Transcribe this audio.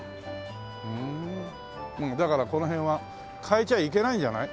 だからこの辺は変えちゃいけないんじゃない。